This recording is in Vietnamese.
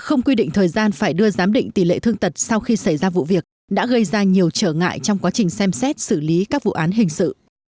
không quy định thời gian phải đưa giám định tỷ lệ thương tật sau khi xảy ra vụ việc đã gây ra nhiều trở ngại trong quá trình xem xét xử lý các vụ án hình sự